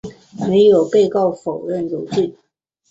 没有被告否认有罪。